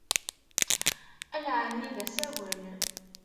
Ad nɛnenni d asawen.